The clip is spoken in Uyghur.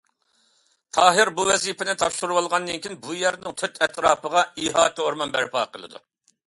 تاھىر بۇ ۋەزىپىنى تاپشۇرۇۋالغاندىن كېيىن، بۇ يەرنىڭ تۆت ئەتراپىغا ئىھاتە ئورمان بەرپا قىلىدۇ.